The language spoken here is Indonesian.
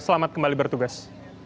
selamat kembali bertugas